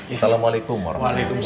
assalamualaikum warahmatullahi wabarakatuh